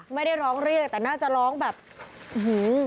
ไม่ได้ร้องเรียกแต่น่าจะร้องแบบอื้อหือ